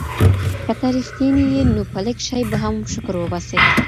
که ته رښتینی یې نو په لږ شي به هم شکر وباسې.